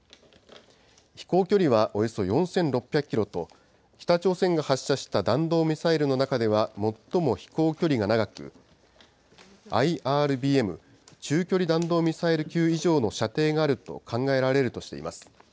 飛行距離はおよそ４６００キロと、北朝鮮が発射した弾道ミサイルの中では最も飛行距離が長く、ＩＲＢＭ・中距離弾道ミサイル級以上の射程があると考えられるとしています。